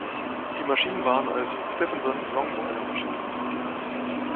Die Maschinen waren als Stephenson-Longboiler-Maschinen konzipiert.